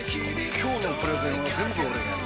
今日のプレゼンは全部俺がやる！